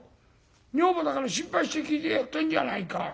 女房だから心配して聞いてやってんじゃないか。